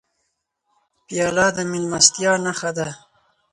پیاله د میلمستیا نښه ده.